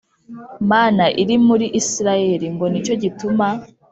Mana iri muri Isirayeli Ngo ni cyo gituma